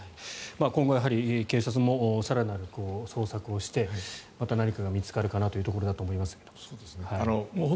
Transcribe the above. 今後、警察も更なる捜索をしてまた何かが見つかるかなというところだと思いますが。